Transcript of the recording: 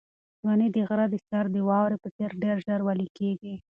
ځواني د غره د سر د واورې په څېر ډېر ژر ویلې کېږي.